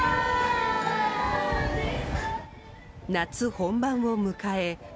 夏本番を迎え。